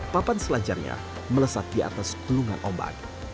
papan selancarnya melesat di atas pelungan ombak